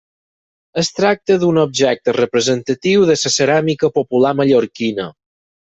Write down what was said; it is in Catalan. Es tracta d'un objecte representatiu de la ceràmica popular mallorquina.